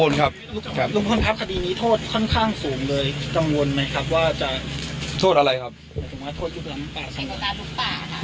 โดยลุงพลครับคุณผู้ชมครับคดีนี้โทษค่อนข้างสูงเลยกังวลมั้ยครับว่าจะเป็นโทษคะลุกต้องลุกหมดละครับ